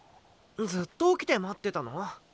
ずっと起きて待ってたの？